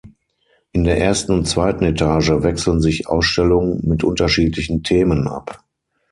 In der ersten und zweiten Etage wechseln sich Ausstellungen mit unterschiedlichen Themen ab.